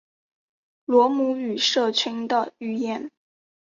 罗姆语社群的语言。